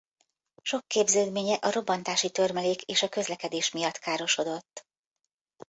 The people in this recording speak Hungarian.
Sok képződménye a robbantási törmelék és a közlekedés miatt károsodott.